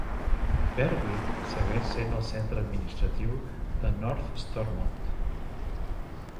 Berwick segueix sent el centre administratiu de North Stormont.